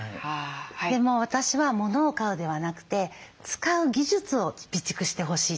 でも私はものを買うではなくて使う技術を備蓄してほしいと思ってます。